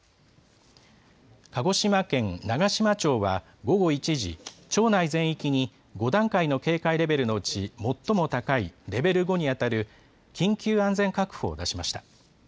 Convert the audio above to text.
鹿児島県長島町は午後１時、町内全域に５段階の警戒レベルのうち、最も高いレベル５に当たる緊急安全確保を出しました。